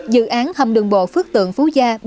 dự án hầm đường bộ phước tượng phú gia